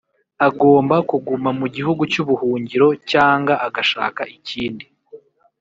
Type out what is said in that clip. Agomba kuguma mu gihugu cy’ubuhungiro cyanga agashaka ikindi